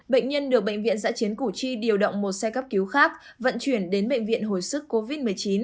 bệnh nhân được bệnh viện giã chiến củ chi điều động một xe cấp cứu khác vận chuyển đến bệnh viện hồi sức covid một mươi chín